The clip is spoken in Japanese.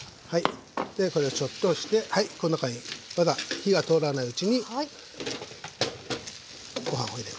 でこれをちょっとしてはいこの中にまだ火が通らないうちにご飯を入れます。